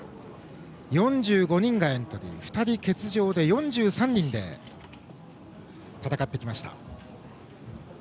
４５人がエントリー、２人欠場で４３人で戦ってきました。